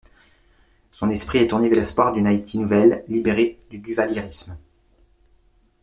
Son esprit est tourné vers l'espoir d'une Haïti nouvelle, libérée du duvaliérisme.